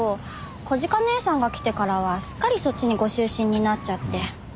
小鹿姐さんが来てからはすっかりそっちにご執心になっちゃって。